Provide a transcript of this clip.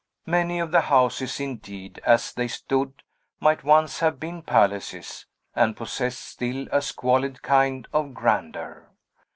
Many of the houses, indeed, as they stood, might once have been palaces, and possessed still a squalid kind of grandeur.